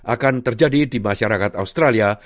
akan terjadi di masyarakat australia